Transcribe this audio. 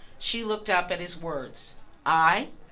She looked up at his words. "I?